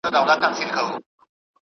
زه هره ورځ مکتب ته ځم.